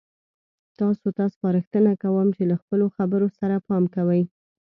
تاسو ته سپارښتنه کوم چې له خپلو خبرو سره پام کوئ.